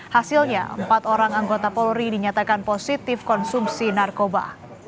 hasilnya empat orang anggota polri dinyatakan positif konsumsi narkoba